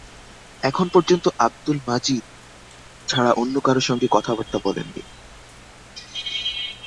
এখন পর্যন্ত আব্দুল মজিদ ছাড়া অন্য কারো সঙ্গে কথাবার্তা বলেন নি।